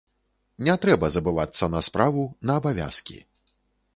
Не трэба забывацца на справу, на абавязкі.